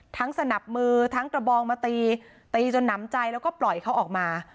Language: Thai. สนับมือทั้งกระบองมาตีตีจนหนำใจแล้วก็ปล่อยเขาออกมา